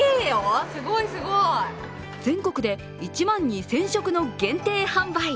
全国で１万２０００食の限定販売。